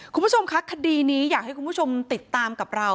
คุณผู้ชมคะคดีนี้อยากให้คุณผู้ชมติดตามกับเรา